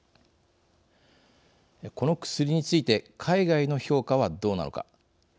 この薬について海外の評価はどうなのか。